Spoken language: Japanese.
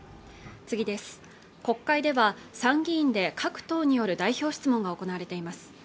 国会では参議院で各党による代表質問が行われています